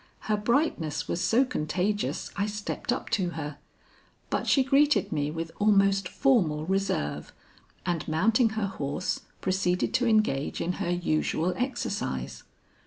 Her brightness was so contagious, I stepped up to her. But she greeted me with almost formal reserve, and mounting her horse, proceeded to engage in her usual exercise.